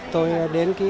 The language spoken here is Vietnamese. tôi đến khi